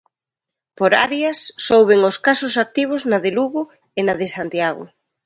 Por áreas, soben os casos activos na de Lugo e na de Santiago.